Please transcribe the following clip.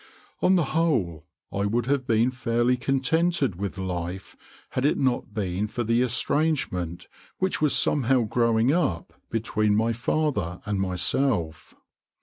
On the whole, I would have been fairly contented with life had it not been for the estrangement which was somehow growing up between my father and myself.